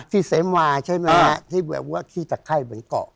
ที่เสมาใช่ไหมครับที่แบบว่าขี้ตะไข้เป็นเกาะ